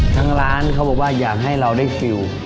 ร้านเขาบอกว่าอยากให้เราได้ฟิล